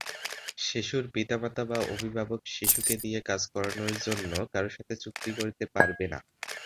শিশুর পিতা মাতা বা অভিভাবক শিশুকে দিয়ে কাজ করানোর জন্য কারো সাথে চুক্তি করতে পারবে না।